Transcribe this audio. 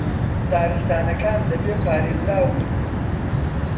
دارستانەکان دەبێ پارێزراو بن